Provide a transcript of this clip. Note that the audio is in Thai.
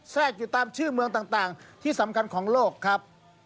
แทรกอยู่ตามชื่อเมืองต่างที่สำคัญของโลกครับ